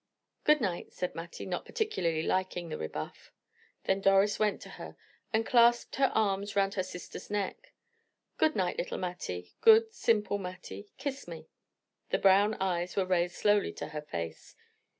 "Good night," said Mattie, not particularly liking the rebuff. Then Doris went to her, and clasped her arms round her sister's neck. "Good night, little Mattie good, simple Mattie. Kiss me." The brown eyes were raised slowly to her face.